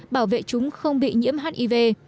bảo vệ chúng không bị nhiễm hiv